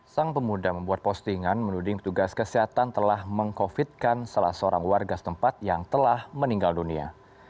sang pemuda membuat postingan menuding tugas kesehatan telah meng covidkan salah seorang warga setempat yang telah meninggal dunia